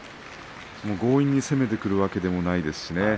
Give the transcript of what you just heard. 強引に攻めてくるわけでもないですしね。